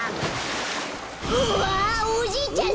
うわおじいちゃん